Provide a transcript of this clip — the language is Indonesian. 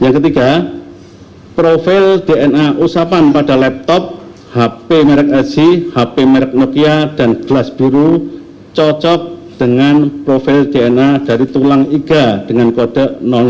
dan ketiga profil dna usapan pada laptop hp merek lg hp merek nokia dan gelas biru cocok dengan profil dna dari tulang iga dengan kode enam puluh satu